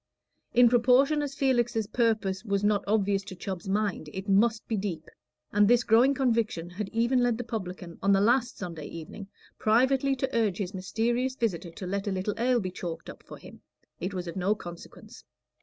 In proportion as Felix's purpose was not obvious to Chubb's mind, it must be deep; and this growing conviction had even led the publican on the last Sunday evening privately to urge his mysterious visitor to let a little ale be chalked up for him it was of no consequence.